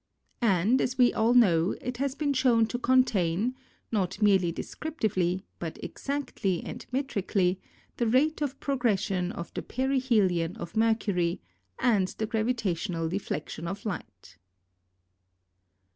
And, as we all know, it has been shown to contain, not merely descriptively, but exactly and metrically, the rate of progression of the perihelion of Mercury and the gravitational deflection of light.